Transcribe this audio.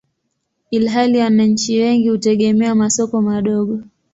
ilhali wananchi wengi hutegemea masoko madogo.